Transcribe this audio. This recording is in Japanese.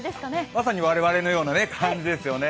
まさに我々のような感じですよね。